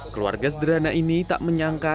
keluarga sederhana ini tak menyangka